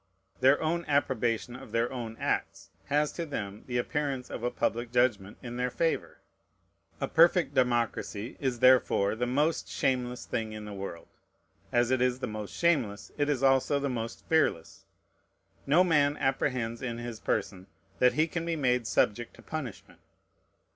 Their own approbation of their own acts has to them the appearance of a public judgment in their favor. A perfect democracy is therefore the most shameless thing in the world. As it is the most shameless, it is also the most fearless. No man apprehends in his person that he can be made subject to punishment.